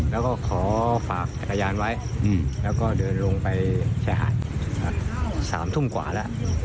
แล้วก็ขอฝากจักรยานไว้แล้วก็เดินลงไปชายหาด๓ทุ่มกว่าแล้ว